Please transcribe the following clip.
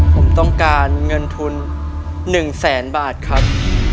ผมต้องการเงินทุน๑แสนบาทครับ